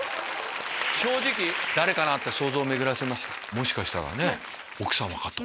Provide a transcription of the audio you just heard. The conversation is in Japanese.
もしかしたらね奥さまかと。